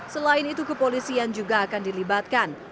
selain itu kepolisian juga akan dilibatkan